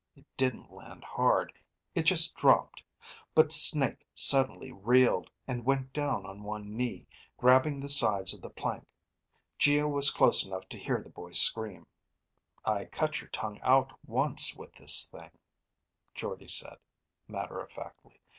It didn't land hard; it just dropped. But Snake suddenly reeled, and went down on one knee, grabbing the sides of the plank. Geo was close enough to hear the boy scream. "I cut your tongue out once with this thing," Jordde said, matter of factly.